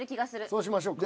そうしましょうか。